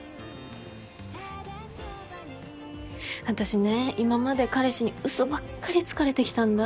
私ね今まで彼氏に嘘ばっかりつかれてきたんだ。